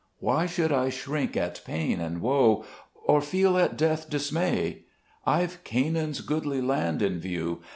4 Why should I shrink at pain and woe, Or feel at death dismay ? I've Canaan's goodly land in view.